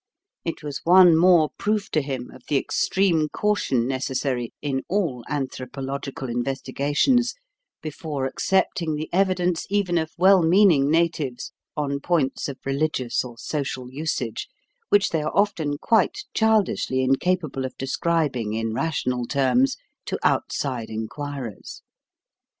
It was one more proof to him of the extreme caution necessary in all anthropological investigations before accepting the evidence even of well meaning natives on points of religious or social usage, which they are often quite childishly incapable of describing in rational terms to outside inquirers.